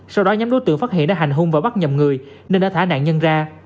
sau đó nhóm đối tượng phát hiện đã hành hung và bắt nhầm người nên đã thả nạn nhân ra